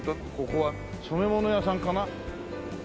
ここは染物屋さんかな？